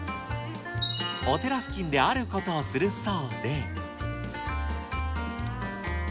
お寺付近であることをするそうで。